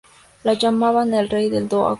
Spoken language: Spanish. Lo llamaban ""El rey del Do agudo"".